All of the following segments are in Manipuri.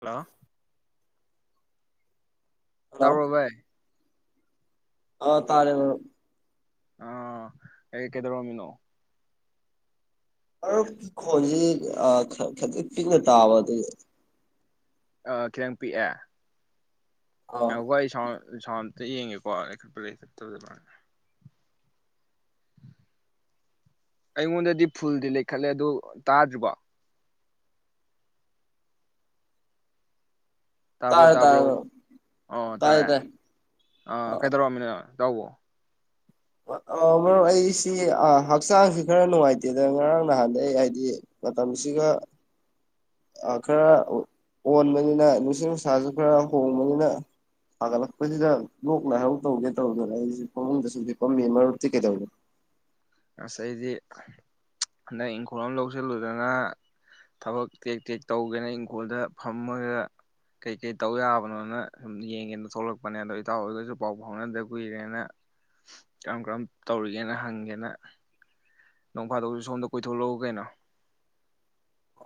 ꯍꯜꯂꯣ ꯇꯥꯥꯕꯔꯣ ꯚꯥꯏ ꯑ ꯇꯥꯔꯦ ꯃꯔꯨꯞ ꯑꯥ ꯑꯦ ꯀꯩꯗꯧꯔꯝꯃꯤꯅꯣ ꯃꯔꯨꯞ ꯈꯣꯟꯖꯤ ꯑ ꯈꯔ ꯈꯔꯗꯤ ꯄꯤꯛꯅ ꯇꯥꯕ ꯑꯗꯨ ꯑ ꯈꯤꯇꯪ ꯄꯤꯛꯑꯦ ꯑꯥ ꯑ ꯍꯣꯏ ꯁꯥꯎꯟ ꯁꯥꯎꯟ ꯑꯝꯇ ꯌꯦꯡꯒꯦꯀꯣ ꯂꯩꯈꯠꯄꯔ ꯂꯩꯈꯠꯇꯕ ꯑꯩꯉꯣꯟꯗꯗꯤ ꯐꯨꯜꯗꯤ ꯂꯩꯈꯠꯂꯦ ꯑꯗꯨ ꯇꯥꯗ꯭ꯔꯤꯕꯣ ꯇꯥꯕ꯭ꯔꯣ ꯇꯥꯔꯦ ꯇꯥꯔꯦ ꯇꯥꯕ꯭ꯔꯣ ꯃꯔꯨꯞ ꯑꯣ ꯇꯥꯔꯦ ꯑ ꯀꯩꯗꯧꯔꯝꯃꯤꯅꯣ ꯅ ꯇꯥꯥꯎꯕꯣ ꯃ ꯑ ꯃꯔꯨꯞ ꯑꯩꯁꯤ ꯑ ꯍꯛꯆꯥꯡꯁꯤ ꯈꯔ ꯅꯨꯡꯉꯥꯏꯇꯦꯗꯅ ꯉꯔꯥꯡ ꯅꯍꯥꯟꯗꯩ ꯍꯥꯏꯗꯤ ꯃꯇꯝꯁꯤꯒ ꯑ ꯈꯔ ꯑꯣꯟꯕꯅꯤꯅ ꯅꯨꯡꯁꯤꯠ ꯅꯨꯡꯁꯥꯁꯨ ꯈꯔ ꯍꯣꯡꯕꯅꯤꯅ ꯁꯥꯒꯠꯂꯛꯄꯁꯤꯗ ꯂꯣꯛ ꯂꯥꯏꯍꯧ ꯇꯧꯒꯦ ꯇꯧꯗꯅ ꯑꯩꯁꯤꯁꯨ ꯐꯃꯨꯡꯗ ꯁꯨꯝ ꯍꯤꯞꯄꯝꯃꯤ ꯃꯔꯨꯞꯇꯤ ꯀꯩꯗꯩꯅꯣ ꯑꯁ ꯑꯩꯗꯤ ꯆꯞ ꯍꯟꯗꯛ ꯏꯪꯈꯣꯜ ꯑꯝ ꯂꯧꯁꯤꯜꯂꯨꯗꯅ ꯊꯕꯛ ꯇꯦꯛ ꯇꯦꯛ ꯇꯧꯒꯦꯅ ꯏꯪꯈꯣꯜꯗ ꯐꯝꯃꯒ ꯀꯩꯀꯩ ꯇꯧ ꯌꯥꯕꯅꯣꯅ ꯁꯨꯝ ꯌꯦꯡꯒꯦꯅ ꯊꯣꯛꯂꯛꯄꯅꯦ ꯑꯗ ꯏꯇꯥꯎ ꯍꯣꯏꯔꯒꯁꯨ ꯄꯥꯎ ꯐꯥꯎꯅꯗ ꯀꯨꯏꯔꯦꯅ ꯀꯔꯝ ꯀꯔꯝ ꯇꯧꯔꯤꯒꯦꯅ ꯍꯪꯒꯦꯅ ꯅꯣꯡ ꯐꯥꯗꯣꯛꯁꯨ ꯁꯣꯝꯗ ꯀꯣꯏꯊꯣꯛꯂꯛꯎ ꯀꯩꯅꯣ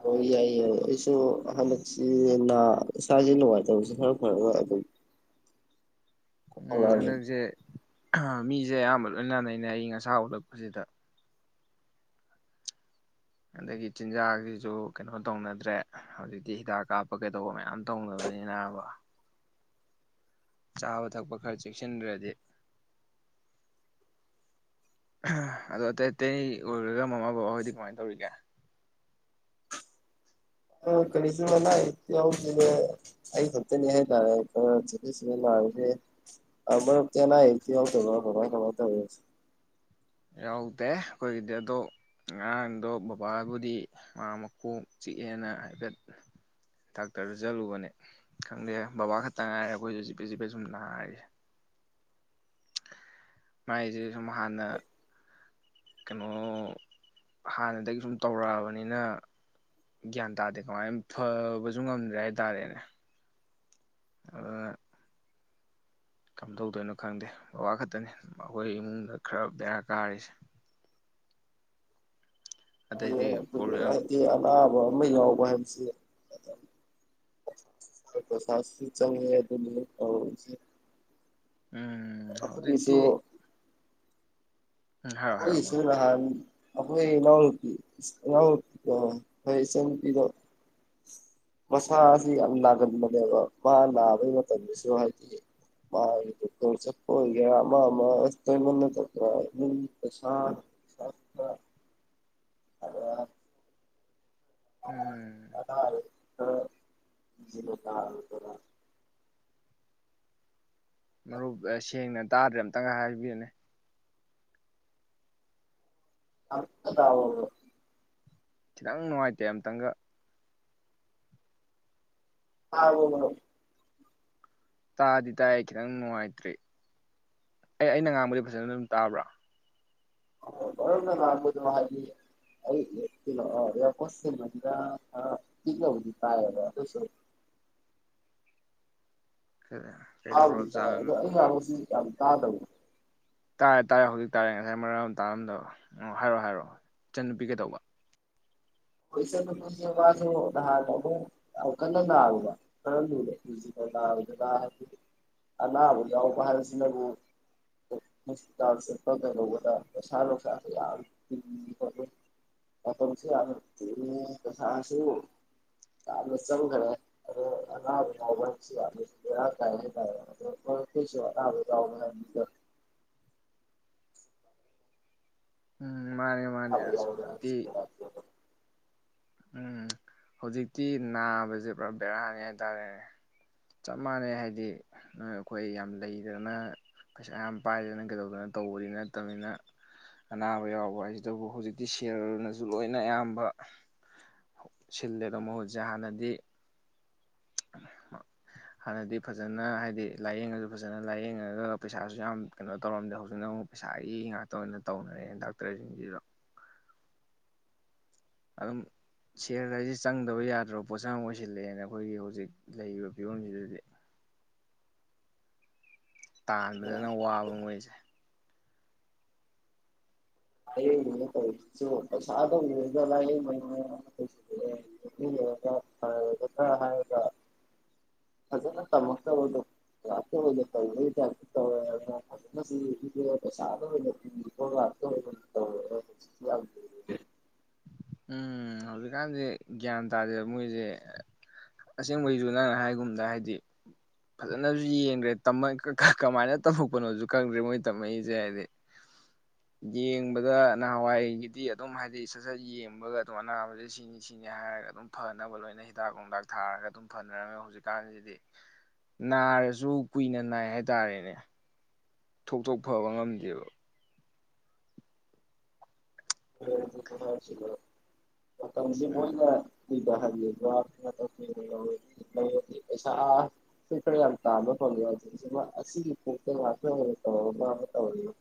ꯍꯣꯏ ꯌꯥꯏ ꯌꯥꯏ ꯑꯩꯁꯨ ꯍꯟꯗꯛꯁꯤ ꯅꯥ ꯏꯁꯥꯥꯁꯦ ꯅꯨꯡꯉꯥꯏꯇꯕꯁꯦ ꯈꯔ ꯐꯔꯒ ꯑꯗꯨꯝ ꯎꯝ ꯍꯧꯔꯛꯑꯒꯦ ꯍꯟꯗꯛꯁꯦ ꯈ ꯃꯤꯖꯦ ꯑꯌꯥꯝꯕ ꯂꯣꯏꯅ ꯅꯥꯅꯩꯅꯦ ꯑꯏꯪ ꯑꯁꯥ ꯎꯠꯂꯛꯄꯁꯤꯗ ꯑꯗꯒꯤ ꯆꯤꯟꯖꯥꯛꯖꯤꯖꯨ ꯀꯩꯅꯣ ꯇꯧꯅꯗ꯭ꯔꯦ ꯍꯧꯖꯤꯛꯇꯤ ꯍꯤꯗꯥꯛ ꯀꯥꯞꯄ ꯀꯩꯗꯧꯕ ꯃꯌꯥꯝ ꯇꯧꯅꯕꯅꯤꯅꯕ ꯆꯥꯕ ꯊꯛꯄ ꯈꯔ ꯆꯦꯛꯁꯤꯟꯗ꯭ꯔꯗꯤ ꯑ ꯍ ꯑꯗꯣ ꯑꯇꯩ ꯑꯇꯩ ꯑꯣꯏꯔꯒ ꯃꯃꯥ ꯕꯕꯥꯍꯣꯏꯗꯤ ꯀꯃꯥꯏ ꯇꯧꯔꯤꯒꯦ ꯑ ꯀꯔꯤꯁꯨ ꯑꯅꯥ ꯑꯌꯦꯛ ꯌꯥꯎꯗꯦꯗ ꯑꯩ ꯈꯛꯇꯅꯤ ꯍꯥꯏꯇꯥꯔꯦ ꯈꯔ ꯆꯤꯐꯦꯠ ꯆꯤꯐꯦꯠ ꯅꯥꯔꯤꯁꯦ ꯑ ꯃꯔꯨꯞꯇꯤ ꯑꯅꯥ ꯑꯌꯦꯛ ꯌꯥꯎꯗꯕꯔ ꯀꯃꯥꯏ ꯀꯃꯥꯏ ꯇꯧꯔꯤ ꯌꯥꯎꯗꯦ ꯑꯩꯈꯣꯏꯒꯤꯗꯤ ꯑꯗꯣ ꯉꯔꯥꯡꯗꯣ ꯕꯕꯥꯕꯨꯗꯤ ꯃꯥ ꯃꯀꯣꯛ ꯆꯤꯛꯑꯦꯅ ꯍꯥꯏꯐꯦꯠ ꯗꯥꯛꯇꯔꯗ ꯆꯠꯂꯨꯕꯅꯦ ꯈꯪꯗꯦ ꯕꯕꯥ ꯈꯛꯇ ꯉꯥꯏꯔꯦ ꯑꯩꯈꯣꯏꯁꯨ ꯆꯤꯐꯦꯠ ꯆꯤꯐꯦꯠ ꯁꯨꯝ ꯅꯥꯔꯤꯁꯦ ꯃꯥꯏꯖꯦ ꯁꯨꯝ ꯍꯥꯟꯅ ꯀꯩꯅꯣ ꯍꯥꯟꯅꯗꯒꯤ ꯁꯨꯝ ꯇꯧꯔꯛꯑꯕꯅꯤꯅ ꯒ꯭ꯌꯥꯟ ꯇꯥꯗꯦ ꯀꯃꯥꯏꯅ ꯐꯕꯁꯨ ꯉꯝꯗ꯭ꯔꯦ ꯍꯥꯏ ꯇꯥꯔꯦ ꯑꯗꯨꯅ ꯀꯝꯗꯧꯗꯣꯏꯅꯣ ꯈꯪꯗꯦ ꯕꯕꯥ ꯈꯛꯇꯅꯤ ꯑꯩꯈꯣꯏ ꯏꯃꯨꯡꯗ ꯈꯔ ꯕꯦꯔꯥ ꯀꯥꯔꯤꯁꯦ ꯑ ꯑꯗꯩꯗꯤ ꯄ꯭ꯔꯣꯕ꯭ꯂꯦꯝ ꯍꯥꯏꯗꯤ ꯑ ꯑꯐꯕ ꯑꯃ ꯌꯥꯎꯕ ꯍꯥꯏꯕꯁꯦ ꯄꯁꯥꯁꯨ ꯆꯪꯉꯦ ꯑꯗꯨꯅꯤꯁꯦ ꯎꯝ ꯍꯧꯖꯤꯛꯇꯤ ꯎꯝ ꯍꯥꯏꯔꯣ ꯍꯥꯏꯔꯣ ꯃꯔꯨꯞ ꯍꯣꯏꯁꯨꯍ ꯑꯩꯈꯣꯏ ꯏꯅꯥꯎꯅꯨꯄꯤ ꯏꯅꯥꯎꯅꯨꯄꯤꯗ ꯑꯩꯣꯏ ꯏꯆꯟ ꯅꯨꯨꯄꯤꯗꯣ ꯃꯁꯥꯁꯤ ꯌꯥꯝ ꯅꯥꯒꯟꯕꯅꯦꯕ ꯃꯥ ꯅꯥꯕꯒꯤ ꯃꯇꯝꯗꯁꯨ ꯍꯥꯏꯗꯤ ꯃꯥꯒꯤ ꯗꯣꯛꯇꯔ ꯆꯠꯄ ꯑꯣꯏꯒꯦꯔꯥ ꯑꯃ ꯑꯃ ꯇꯣꯏꯃꯅ ꯑꯗꯨꯝ ꯄꯩꯁꯥ ꯆ ꯑ ꯑ ꯎꯝ ꯑꯦ ꯣ ꯕ ꯇ ꯇꯔꯥ ꯃꯔꯨꯞ ꯁꯦꯡꯅ ꯇꯥꯗ꯭ꯔꯦ ꯑꯃꯝꯇꯪꯒ ꯍꯥꯏꯕꯤꯔꯅꯦ ꯑ ꯇ ꯈꯤꯇꯪ ꯅꯨꯡꯉꯥꯏꯇꯦ ꯑꯇꯪꯒ ꯑ ꯍ ꯍꯣ ꯇꯥꯗꯤ ꯇꯥꯏꯌꯦ ꯈꯤꯇꯪ ꯅꯨꯡꯉꯥꯏꯇ꯭ꯔꯤ ꯑꯦ ꯑꯩꯅ ꯉꯥꯡꯕꯨꯗꯤ ꯐꯖꯅ ꯑꯗꯨꯝ ꯇꯥꯕ꯭ꯔꯥ ꯑ ꯔ ꯂꯗ ꯍꯥꯏꯗꯤ ꯑꯩꯣ ꯀꯣ ꯃꯅ ꯀꯤꯅ ꯍꯧꯖꯤꯗꯤ ꯇꯥꯏꯕꯁꯨ ꯍꯗꯤꯠꯇ ꯀꯩꯗꯧꯔꯕꯖꯥꯠꯅꯣ ꯑꯗꯨ ꯑꯗꯨꯁꯤ ꯆ ꯇꯥ ꯇꯕꯨ ꯇꯥꯔꯦ ꯇꯥꯔꯦ ꯍꯧꯖꯤꯛ ꯇꯥꯔꯦ ꯉꯁꯥꯏ ꯃꯔꯝꯝ ꯇꯥꯔꯝꯗ ꯍꯥꯏꯔꯛꯑꯣ ꯍꯥꯏꯔꯛꯑꯣ ꯏꯆꯟꯅꯨꯄꯤ ꯀꯩꯗꯧꯕ ꯄꯣꯏꯁ ꯋꯥꯁꯨ ꯅꯍꯥꯟ ꯑꯃꯨꯛ ꯀꯟꯅ ꯅꯥꯔꯨꯕ ꯀꯔ ꯐꯁꯤꯅ ꯅꯥꯕꯗꯅ ꯑ ꯂꯅꯥꯕ ꯌꯥꯎꯕ ꯍꯥꯏꯁꯤꯅꯕꯨ ꯍꯣꯁꯄꯤꯇꯥꯜ ꯆꯠꯄ ꯀꯩꯗꯧꯕꯗ ꯄꯩꯁꯥ ꯂꯅꯨꯡꯁꯥꯁꯨ ꯌꯥꯝ ꯈꯣꯠꯁꯨ ꯌꯥꯝ ꯁ ꯆꯥꯗ ꯆꯒꯔꯦ ꯑ ꯑꯎ ꯁꯤꯗ ꯀ ꯇ ꯎꯝ ꯃꯥꯅꯦ ꯃꯥꯅꯦ ꯑꯅꯥꯕ ꯑꯁ ꯌꯥꯎꯕ ꯍꯥꯏꯕꯁꯤ ꯍꯧꯖꯤꯛꯇꯤ ꯎꯝ ꯍꯧꯖꯤꯛꯇꯤ ꯅꯥꯕꯁꯦ ꯄꯨꯔꯥ ꯕꯦꯔꯥꯅꯤ ꯍꯥꯏꯇꯥꯔꯦꯅꯦ ꯆꯞ ꯃꯥꯟꯅꯩ ꯍꯥꯏꯗꯤ ꯑꯩꯈꯣꯏ ꯌꯥꯝ ꯂꯩꯗꯅ ꯄꯩꯁꯥ ꯌꯥꯝ ꯄꯥꯏꯗꯅ ꯀꯩꯗꯧꯗꯅ ꯇꯧꯕꯗꯤ ꯅꯠꯇꯕꯅꯤꯅ ꯑꯅꯥꯕ ꯌꯥꯎꯕ ꯍꯥꯏꯁꯤ ꯑꯗꯨꯕꯨ ꯍꯧꯖꯤꯛꯇꯤ ꯁꯦꯜꯅꯁꯨ ꯂꯣꯏꯅ ꯑꯌꯥꯝꯕ ꯁꯤꯜꯂꯦ ꯑꯗꯣ ꯃꯍꯨꯠꯁꯦ ꯍꯥꯟꯅꯗꯤ ꯍꯥꯟꯅꯗꯤ ꯐꯖꯅ ꯍꯥꯏꯗꯤ ꯂꯥꯏꯌꯦꯡꯉꯁꯨ ꯐꯖꯅ ꯂꯥꯏꯌꯦꯡꯉꯒ ꯄꯩꯁꯥꯁꯨ ꯌꯥꯝ ꯀꯩꯅꯣ ꯇꯧꯔꯝꯗꯦ ꯍꯧꯖꯤꯛꯅ ꯑꯃꯨꯛ ꯄꯩꯁꯥꯒꯤ ꯉꯥꯛꯇ ꯑꯣꯏꯅ ꯇꯧꯅꯔꯛꯦ ꯗꯥꯛꯇꯔꯁꯤꯡꯁꯤꯗ ꯑꯗꯨꯝ ꯁꯔꯗ ꯍꯥꯏꯁꯦ ꯆꯪꯗꯕ ꯌꯥꯗ꯭ꯔꯕ ꯄꯣꯠꯁꯥ ꯑꯃ ꯑꯣꯏꯁꯤꯜꯂꯛꯑꯦꯅ ꯑꯩꯈꯣꯏꯒꯤ ꯍꯧꯖꯤꯛ ꯂꯩꯔꯤꯕ ꯐꯤꯕꯝꯁꯤꯗꯗꯤ ꯇꯥꯟꯕꯗꯅ ꯋꯥꯕ ꯃꯣꯏꯁꯦ ꯍꯥꯏꯌꯦꯅ ꯇꯧꯁꯤꯁꯨ ꯄꯩꯁꯥꯗ ꯑꯣꯏꯔꯒ ꯂꯥꯏꯌꯦꯡꯒꯒ ꯈꯔ ꯍꯥꯏꯔꯒ ꯐꯖꯅ ꯇꯝꯃꯛꯇꯕꯗꯣ ꯂꯇ ꯑꯣꯏꯅ ꯇꯧꯔꯦ ꯇꯧꯔꯦꯒ ꯐꯖꯅ ꯄꯩꯁꯥꯗ ꯑꯣꯏꯅ ꯉꯥꯛꯇ ꯑꯣ ꯎꯝ ꯍꯧꯖꯤꯛꯀꯥꯟꯁꯦ ꯒ꯭ꯌꯥꯟ ꯇꯥꯗꯦꯕ ꯃꯣꯏꯁꯦ ꯑꯁꯦꯡꯕꯩꯁꯨ ꯅꯍꯥꯟ ꯅ ꯍꯥꯏꯒꯨꯝꯗ ꯍꯥꯏꯗꯤ ꯐꯖꯅꯁꯨ ꯌꯦꯡꯗ꯭ꯔꯦ ꯀꯃꯥꯏꯅ ꯇꯝꯃꯛꯄꯅꯣꯁꯨ ꯈꯪꯗ꯭ꯔꯦ ꯃꯣꯏ ꯇꯝꯃꯛꯏꯁꯦ ꯍꯥꯏꯗꯤ ꯌꯦꯡꯕꯗ ꯅꯍꯥꯟꯋꯥꯏꯒꯤꯗꯤ ꯑꯗꯨꯝ ꯍꯥꯏꯗꯤ ꯁꯠ ꯁꯠ ꯌꯦꯡꯕ ꯨꯝꯕꯒ ꯑꯗꯨꯝ ꯑꯅꯥꯕꯁꯦ ꯁꯤꯅꯤ ꯁꯤꯅꯤ ꯍꯥꯏꯔꯒ ꯑꯗꯨꯝ ꯐꯅꯕ ꯂꯣꯏꯅ ꯍꯤꯗꯥꯛ ꯂꯥꯡꯇꯥꯛ ꯊꯥꯔꯒ ꯑꯗꯨꯝ ꯐꯅꯔꯝꯃꯦ ꯍꯧꯖꯤꯛꯀꯥꯟꯁꯤꯗꯤ ꯅꯥꯔꯁꯨ ꯀꯨꯏꯅ ꯅꯥꯏ ꯍꯥꯏꯇꯥꯔꯦꯅꯦ ꯊꯣꯛꯇꯣꯛ ꯐꯕ ꯉꯝꯗꯦꯕ ꯃꯇꯝꯁꯤꯕ ꯎꯝ ꯍꯥꯏꯥꯔ ꯌꯥꯝ ꯇꯥꯕ ꯐꯪꯉ ꯑꯁꯤꯒꯤ ꯄꯣꯛ ꯉ ꯇꯧ ꯑꯃ ꯇꯧꯗ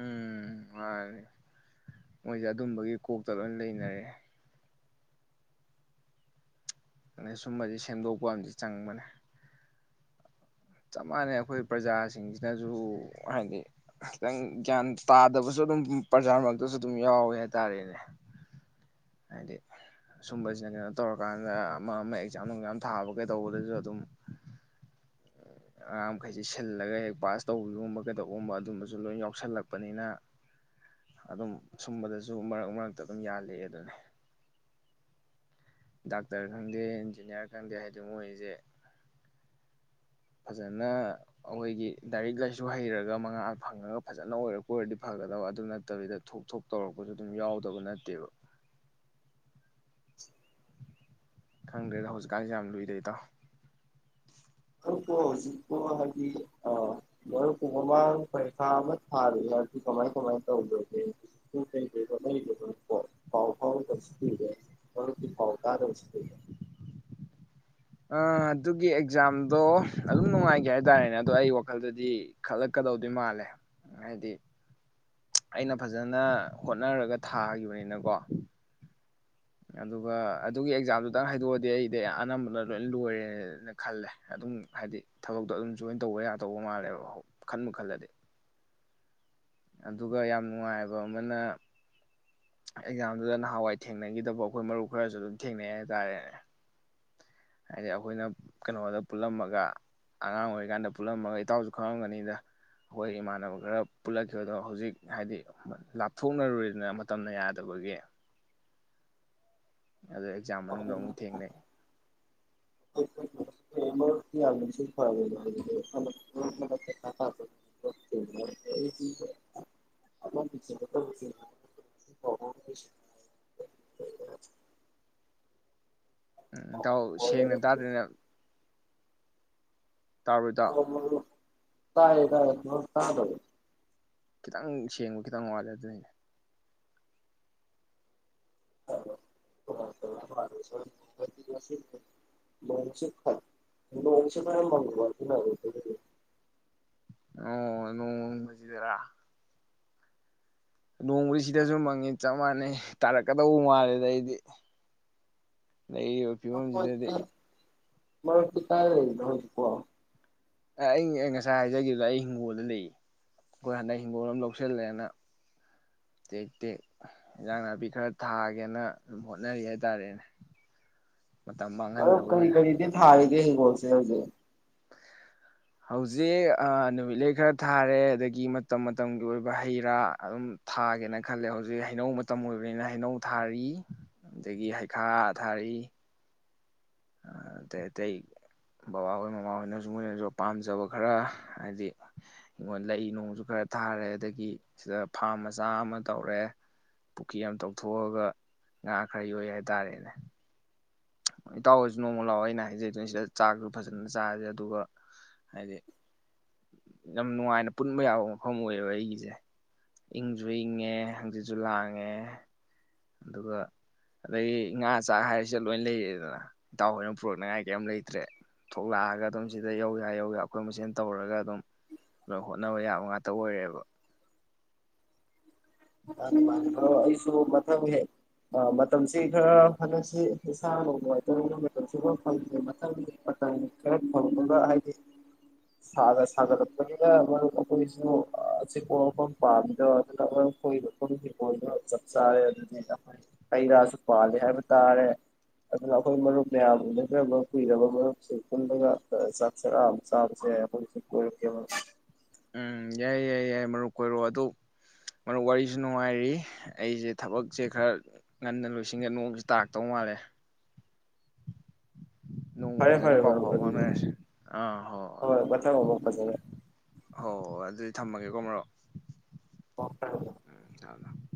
ꯎꯝ ꯃꯥꯅꯤ ꯃꯣꯏꯁꯦ ꯑꯗꯨꯝꯕꯒꯤ ꯀꯣꯛꯇ ꯂꯣꯏ ꯂꯩꯅꯔꯦ ꯑ ꯁꯨꯝꯕꯕꯁꯤ ꯁꯦꯝꯗꯣꯛꯄ ꯑꯃꯗꯤ ꯆꯪꯕꯅꯦ ꯆꯞ ꯃꯥꯟꯅꯩ ꯑꯩꯈꯣꯏ ꯄ꯭ꯔꯖꯥꯁꯤꯡꯁꯤꯅꯁꯨ ꯍꯥꯏꯗꯤ ꯈꯤꯇꯪ ꯒ꯭ꯌꯥꯟ ꯇꯥꯗꯕꯁꯨ ꯑꯗꯨꯝ ꯄ꯭ꯔꯖꯥ ꯃꯔꯛꯇꯁꯨ ꯑꯗꯨꯝ ꯌꯥꯎꯋꯦ ꯍꯥꯏꯇꯥꯥꯔꯦꯅꯦ ꯍꯥꯏꯗꯤ ꯁꯁꯨꯝꯕꯁꯤꯅ ꯀꯩꯅꯣ ꯇꯧꯔꯀꯥꯟꯗ ꯑꯃ ꯑꯃ ꯑꯦꯛꯖꯥꯝ ꯅꯨꯡꯖꯥꯝ ꯊꯥꯕꯒꯩꯗꯧꯕꯗꯁꯨ ꯑꯗꯨꯝ ꯑꯉꯥꯡ ꯃꯈꯩꯁꯤ ꯁꯤꯜꯂꯒ ꯍꯦꯛ ꯄꯥꯁ ꯇꯧꯕꯤꯒꯨꯝꯕ ꯀꯩꯗꯧꯕꯒꯨꯝꯕ ꯑꯗꯨꯝꯕꯁꯨ ꯂꯣꯏ ꯌꯥꯎꯁꯜꯂꯛꯄꯅꯤꯅ ꯑꯗꯨꯝ ꯁꯨꯝꯕꯗꯁꯨ ꯃꯔꯛ ꯃꯔꯛꯇ ꯑꯗꯨꯝ ꯌꯥꯜꯂꯛꯑꯦ ꯑꯗꯨꯅꯤ ꯗꯥꯛꯇꯔ ꯈꯪꯗꯦ ꯏꯟꯖꯤꯅꯤꯌꯥꯔ ꯈꯪꯗꯦ ꯍꯥꯏꯗ ꯃꯣꯏꯁꯦ ꯐꯖꯅ ꯑꯩꯈꯣꯏꯒꯤ ꯗꯥꯏꯔꯤꯛ ꯂꯥꯏꯁꯨ ꯍꯩꯔꯒ ꯃꯉꯥꯍ ꯐꯪꯉꯒ ꯐꯖꯅ ꯑꯣꯏꯔꯛꯄ ꯑꯣꯏꯔꯗꯤ ꯐꯒꯗꯕ ꯑꯗꯨ ꯅꯠꯇꯕꯤꯗ ꯊꯣꯛ ꯊꯣꯛ ꯇꯧꯔꯛꯄꯁꯨ ꯑꯗꯨꯝ ꯌꯥꯎꯗꯕ ꯅꯠꯇꯦꯕ [inaudible] ꯈꯪꯗ꯭ꯔꯦꯗ ꯍꯧꯖꯤꯛꯀꯥꯟꯁꯦ ꯌꯥꯝ ꯂꯨꯏꯗꯦ ꯏꯗꯣ ꯃꯔꯨꯞꯄꯨ ꯍꯧꯖꯤꯛꯄꯨ ꯍꯥꯏꯗꯤ ꯃꯔꯨꯞꯄꯨ ꯃꯃꯥꯡ ꯄꯔꯤꯈꯥ ꯑꯃ ꯊꯥꯔꯤ ꯍꯥꯏꯔꯗꯤ ꯀꯃꯥꯏ ꯀꯃꯥꯏ ꯇꯧꯗꯒꯦ ꯀꯩꯗꯣꯗꯣ ꯄꯥꯎ ꯐꯥꯎꯗꯕꯁꯨ ꯀꯨꯏꯔꯦ ꯃꯔꯨꯞꯀꯤꯨ ꯄꯥꯎ ꯇꯥꯗꯕꯁꯨ ꯀꯨꯏꯔꯦ ꯑ ꯑꯗꯨꯒꯤ ꯑꯦꯛꯖꯥꯝꯗꯣ ꯑꯗꯨꯝ ꯅꯨꯡꯉꯥꯏꯒꯦ ꯍꯥꯏꯇꯥꯔꯦꯅꯦ ꯑꯗꯣ ꯑꯩ ꯋꯥꯈꯜꯗꯗꯤ ꯈꯜꯂꯛꯀꯗꯧꯗꯣꯏ ꯃꯥꯜꯂꯦ ꯍꯥꯏꯗꯤ ꯑꯩꯅ ꯐꯖꯅ ꯍꯣꯠꯅꯔꯒ ꯊꯥꯈꯤꯕꯅꯤꯅꯀꯣ ꯑꯗꯨꯒ ꯑꯗꯨꯒꯤ ꯑꯦꯛꯖꯥꯝꯗꯨꯇꯪ ꯍꯥꯏꯗꯣꯛꯑꯗꯤ ꯑꯩꯗꯤ ꯑꯅꯝꯕꯅ ꯂꯣꯏ ꯂꯣꯏꯔꯦꯅ ꯈꯜꯂꯦ ꯑꯗꯨꯝ ꯍꯥꯏꯗꯤ ꯊꯕꯛꯇꯣ ꯑꯗꯨꯝ ꯖꯣꯏꯟ ꯇꯧꯕ ꯌꯥꯗꯧꯕ ꯃꯥꯜꯂꯦꯕ ꯈꯟꯕ ꯈꯜꯂꯗꯤ ꯑꯗꯨꯒ ꯌꯥꯝ ꯅꯨꯡꯉꯥꯏꯕ ꯑꯃꯅ ꯑꯦꯛꯖꯥꯝꯗꯨꯗ ꯅꯍꯥꯟꯋꯥꯏ ꯊꯦꯡꯅꯈꯤꯗꯕ ꯑꯩꯈꯣꯏ ꯃꯔꯨꯞ ꯈꯔꯁꯨ ꯑꯗꯨꯝ ꯊꯦꯡꯅꯩ ꯍꯥꯏꯇꯥꯔꯦ ꯍꯥꯏꯗꯤ ꯑꯩꯈꯣꯏꯅ ꯀꯩꯅꯣꯗ ꯄꯨꯜꯂꯝꯃꯒ ꯑꯉꯥꯡ ꯑꯣꯏꯔꯤꯀꯥꯟꯗ ꯄꯨꯜꯂꯝꯃꯒ ꯏꯇꯥꯎꯁꯨ ꯈꯪꯉꯝꯒꯅꯤꯗ ꯑꯩꯈꯣꯏ ꯏꯃꯥꯟꯅꯕ ꯈꯔ ꯄꯨꯜꯂꯛ ꯈꯤꯕꯗꯣ ꯍꯧꯖꯤꯛ ꯍꯥꯏꯗꯤ ꯂꯥꯞꯊꯣꯛꯅꯔꯨꯔ‌ꯦꯗꯅ ꯃꯇꯝꯅ ꯌꯥꯗꯕꯒꯤ ꯑꯗ ꯑꯦꯛꯖꯥꯝ ꯃꯅꯨꯡꯗ ꯑꯃꯨꯛ ꯊꯦꯡꯅꯩ [unintelligible] ꯎꯝ ꯄꯥꯎ ꯏꯇꯥꯎ ꯁꯦꯡꯅ ꯐꯥꯎꯔꯛꯇ꯭ꯔꯤ꯫ ꯇꯥꯗ‌ꯦꯅ‌ꯦ ꯇꯥꯕꯔ‌ꯣ ꯏꯇꯥꯎ ꯑꯣ ꯃꯔꯨꯞ ꯇꯥꯏꯌꯦ ꯇꯥꯏꯌꯦ ꯃꯔꯨꯞ ꯇꯥꯗꯕꯔ‌ꯣ ꯈꯤꯇꯪ ꯁꯦꯡꯕ ꯈꯤꯇꯪ ꯋꯥꯠꯂꯦ ꯑꯗꯨꯅꯤꯅꯦ [unintelligible] ꯑꯣ ꯅ‌ꯣꯡꯃꯪꯕꯖꯤꯗꯔꯥ ꯅꯣꯡꯕꯨꯗꯤ ꯁꯤꯗꯁꯨ ꯃꯪꯉꯤ ꯆꯞ ꯃꯥꯟꯅꯩ ꯇꯥꯔꯛꯀꯗꯧꯕ ꯃꯥꯜꯂꯦꯗ ꯑꯩꯗꯤ ꯂꯩꯔꯤꯕ ꯐꯤꯕꯝꯁꯤꯗꯗꯤ ꯃꯔꯨꯞꯇꯤ ꯀꯥꯏ ꯂꯩꯅ‌ꯣ ꯍꯧꯖꯤꯛꯄ‌ꯣ ꯑꯩ ꯑꯩ ꯉꯁꯥꯏ ꯍꯥꯏꯖꯒꯤꯕꯗꯣ ꯑꯩ ꯍꯤꯡꯒꯣꯜꯗ ꯂꯩ ꯑꯩꯈꯣꯏ ꯍꯟꯗꯛ ꯍꯤꯡꯒꯣꯜ ꯑꯃ ꯂꯧꯁꯤꯜꯂꯦꯅ ꯇꯦꯛ ꯇꯦꯛ ꯏꯟꯖꯥꯡ ꯅꯥꯄꯤ ꯈꯔ ꯊꯥꯒꯦꯅ ꯑꯗꯨꯝ ꯍꯣꯠꯅꯔꯤ ꯍꯥꯏ ꯇꯥꯔꯦꯅꯦ ꯑꯗ‌ꯣ ꯀꯔꯤ ꯀꯔꯤꯗꯤ ꯊꯥꯔꯤ ꯅ ꯍꯤꯡꯒ‌ꯣꯜꯁ‌ꯦ ꯍꯧꯖꯤꯛ ꯍꯧꯖꯤꯛ ꯑ ꯅꯨꯃꯤꯠꯂꯩ ꯈꯔ ꯊꯥꯔꯦ ꯑꯗꯒꯤ ꯃꯇꯝ ꯃꯇꯝꯒꯤ ꯑꯣꯏꯕ ꯍꯩ ꯔꯥ ꯑꯗꯨꯝ ꯊꯥꯒꯦꯅ ꯈꯜꯂꯦ ꯍꯧꯖꯤꯛ ꯍꯩꯅꯧ ꯃꯇꯝ ꯑꯣꯏꯕꯅꯤꯅ ꯍꯩꯅꯧ ꯊꯥꯔꯤ ꯑꯗꯒꯤ ꯍꯩꯈꯥ ꯊꯥꯔꯤ ꯑꯇꯩ ꯑꯇꯩ ꯕꯕꯥꯍꯣꯏ ꯃꯃꯥꯍꯣꯏꯅꯁꯨ ꯃꯣꯏꯅꯁꯨ ꯄꯥꯝꯖꯕ ꯈꯔ ꯍꯥꯏꯗꯤ ꯑꯩꯉꯣꯟ ꯂꯩ ꯅꯨꯡꯁꯨ ꯈꯔ ꯊꯥꯔꯦ ꯑꯗꯒꯤ ꯁꯤꯗ ꯐꯥꯝ ꯃꯆꯥ ꯑꯃ ꯇꯧꯔꯦ ꯄꯨꯈ꯭ꯔꯤ ꯑꯃ ꯇꯧꯊꯣꯛꯑꯒ ꯉꯥ ꯈꯔ ꯌꯣꯛꯑ‌ꯦ ꯍꯥꯏ ꯇꯥꯔꯦꯅꯦ ꯏꯇꯥꯎꯍ‌ꯣꯏꯁꯨ ꯅꯣꯡꯃ ꯂꯥꯛꯑꯣ ꯑꯩꯅ ꯍꯥꯏꯖꯩꯗꯨꯅꯤ ꯁꯤꯗ ꯆꯥꯛꯁꯨ ꯐꯖꯅ ꯆꯥꯥꯁꯦ ꯑꯗꯨꯒ ꯍꯥꯏꯗꯤ ꯌꯥꯝ ꯅꯨꯡꯉꯥꯏꯅ ꯄꯨꯟꯕ ꯌꯥꯕ ꯃꯐꯝ ꯑꯣꯏꯌꯦꯕ ꯑꯩꯒꯤꯁꯦ ꯏꯪꯁꯨ ꯏꯪꯉꯦ ꯍꯪꯆꯤꯠꯁꯨ ꯂꯥꯡꯉꯦ ꯑꯗꯨꯒ ꯑꯗꯒꯤ ꯉꯥ ꯆꯥꯛ ꯍꯥꯏꯔ‌ꯦ ꯁꯤꯗ ꯂꯣꯏ ꯂꯩꯔ‌ꯦꯗꯅ ꯏꯇꯥꯎ ꯍꯣꯏꯅ ꯄꯨꯔꯛꯅꯉꯥꯏ ꯀꯩꯝ ꯂꯩꯇ꯭ꯔꯦ ꯊꯣꯛꯂꯛꯑꯒ ꯑꯗꯨꯝ ꯁꯤꯗ ꯌꯧ ꯌꯥ ꯌꯧ ꯌꯥ ꯑꯩꯈꯣꯏ ꯃꯁꯦꯟ ꯇꯧꯔꯒ ꯑꯗꯨꯝ ꯂꯣꯏ ꯍꯣꯠꯅꯕ ꯌꯥꯕ ꯉꯥꯛꯇ ꯑꯣꯏꯔ‌ꯦꯕ ꯃꯥꯅꯤ ꯃꯥꯅꯤ ꯃꯔꯨꯞ ꯑꯩꯁꯨ ꯃꯊꯪ ꯍꯦꯛ ꯃꯇꯝꯁꯤ ꯈꯔ ꯍꯟꯗꯛꯁꯤ ꯏꯁꯥꯅꯨꯡ ꯅꯨꯡꯉꯥꯏꯇꯕꯒ ꯃꯇꯝꯁꯨ ꯈꯔ ꯐꯪꯗꯦ ꯃꯊꯪꯒꯤ ꯃꯇꯝ ꯈꯔ ꯐꯪꯕꯒ ꯍꯥꯏꯗꯤ ꯁꯥꯒ ꯁꯥꯒꯠꯂꯛꯄꯅꯤꯅ ꯃꯔꯨꯞ ꯑꯩꯈꯣꯏꯁꯨ ꯑꯆꯤꯛꯄ ꯃꯐꯝ ꯄꯥꯝꯃꯤꯗꯣ ꯑꯗꯨꯅ ꯃꯔ ꯑꯩꯈꯣꯏ [unintelligible] ꯅ ꯆꯞ ꯆꯥꯔꯦ ꯑꯗꯨꯗꯤ ꯑꯩꯈꯣꯏ ꯍꯩ ꯔꯥꯁꯨ ꯄꯥꯜꯂ‌ꯦ ꯍꯥꯏꯕ ꯇꯥꯔꯦ ꯑꯗꯨꯅ ꯑꯩꯈꯣꯏ ꯃꯔꯨꯞ ꯃꯌꯥꯝ ꯎꯅꯗꯔꯕ ꯀꯨꯏꯔꯕ ꯃꯔꯨꯞꯁꯤꯡ ꯄꯨꯜꯂꯒ ꯆꯥꯛ ꯆꯔꯥ ꯑꯃ ꯆꯥꯕꯁꯦ ꯑꯩꯈꯣꯏꯁꯨ ꯀꯣꯏꯔꯛꯀꯦꯕ ꯎꯝ ꯌꯥꯏ ꯌꯥꯏ ꯌꯥꯏ ꯃꯔꯨꯞ ꯀꯣꯏꯔ‌ꯣ ꯑꯗ‌ꯣ ꯃꯔꯨꯞ ꯋꯥꯔꯤꯁꯨ ꯅꯨꯡꯉꯥꯏꯔꯤ ꯑꯩꯁꯦ ꯊꯕꯛꯁꯦ ꯈꯔ ꯉꯟꯅ ꯂꯣꯏꯁꯤꯟꯒ‌ꯦ ꯅ‌ꯣꯡꯁꯦ ꯇꯥꯔꯛꯇꯧ ꯃꯥꯜꯂꯦ ꯅꯣꯡꯃ ꯐꯔꯦ ꯐꯖꯅ ꯐꯔꯦ ꯄꯥꯎ ꯃꯔꯨꯞ ꯐꯥꯎ ꯑꯗꯨꯗꯤ ꯐꯥꯎꯅꯔꯁꯦ ꯑꯥ ꯍꯣꯏ ꯍꯣꯏ ꯃꯊꯪ ꯑꯃꯨꯛ ꯐꯖꯅ ꯍꯣꯏ ꯍꯣꯏ ꯑꯗꯨꯗꯤ ꯊꯝꯃꯒꯦꯀꯣ ꯃꯔꯨꯞ ꯎꯝ ꯊꯝꯃꯦ [unintelligible]